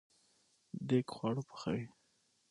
دیګ خواړه پخوي